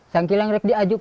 sekarang mereka mengajukan